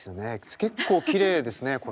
結構きれいですねこれ。